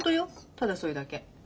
ただそれだけ。